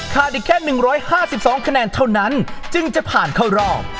อีกแค่๑๕๒คะแนนเท่านั้นจึงจะผ่านเข้ารอบ